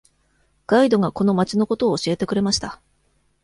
ガイドがこの町のことを教えてくれました。